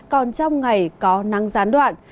còn trong ngày có nắng gián đoạn